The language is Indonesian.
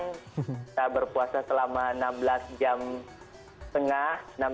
kita berpuasa selama enam belas jam setengah